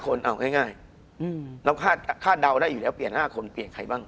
คุณผู้ชมบางท่าอาจจะไม่เข้าใจที่พิเตียร์สาร